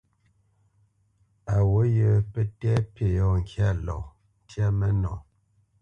A wǔt yə pə́ tɛ̂ pí yɔ̂ ŋkya lɔ ntyá mə́nɔ.